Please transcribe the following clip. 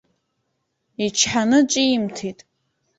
Ичҳаны ҿимҭит.